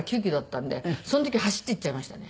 その時は走っていっちゃいましたね。